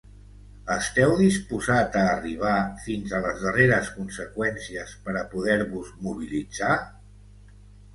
Esteu disposat a arribar fins a les darreres conseqüències per a poder-vos mobilitzar?